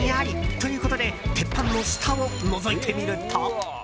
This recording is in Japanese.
ということで鉄板の下をのぞいてみると。